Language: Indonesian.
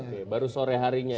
oke baru sore harinya